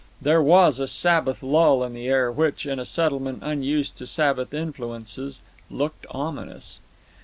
There was a Sabbath lull in the air which, in a settlement unused to Sabbath influences, looked ominous.